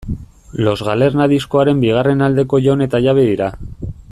Los Galerna diskoaren bigarren aldeko jaun eta jabe dira.